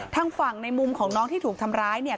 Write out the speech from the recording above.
ทางฝั่งในมุมของน้องที่ถูกทำร้ายเนี่ย